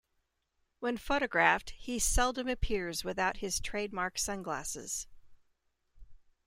When photographed, he seldom appears without his trademark sunglasses.